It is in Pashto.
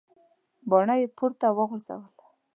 باڼه یې پورته وغورځول.